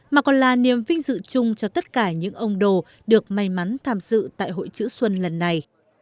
mà còn là niềm vinh dự chung cho tất cả những ông đồ được may mắn tham dự tại hội chữ xuân lần này